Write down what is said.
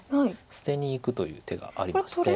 捨てにいくという手がありまして。